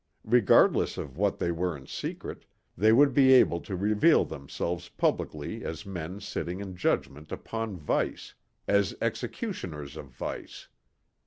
Regardless of what they were in secret, they would be able to reveal themselves publicly as men sitting in judgment upon Vice, as executioners of Vice.